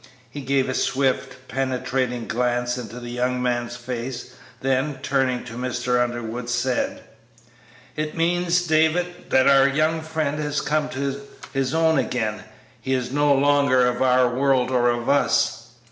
He gave a swift, penetrating glance into the young man's face, then, turning to Mr. Underwood, said, "It means, David, that our young friend has come to his own again. He is no longer of our world or of us."